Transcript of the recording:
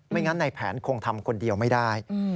งั้นในแผนคงทำคนเดียวไม่ได้